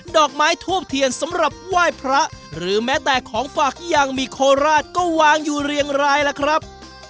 ดอกไม้ทูบเทียนสำหรับไหว้พระหรือแม้แต่ของฝากยังมีโคราชก็วางอยู่เรียงรายล่ะครับ